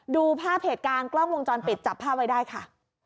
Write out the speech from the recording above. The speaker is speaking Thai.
ดูภาพเหตุการณ์กล้องวงจรปิดจับภาพไว้ได้ค่ะ